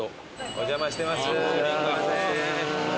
お邪魔してます。